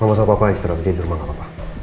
gak masalah papa istirahat aja di rumah gak apa apa